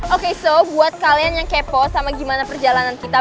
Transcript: oke so buat kalian yang kepo sama gimana perjalanan kita